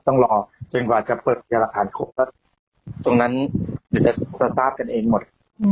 ต้องรอจนกว่าจะเปิดราคาทั้งหมดตรงนั้นเดี๋ยวจะทราบกันเองหมด